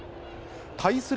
対する